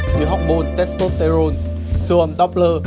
như học bồn testosterone siêu âm doppler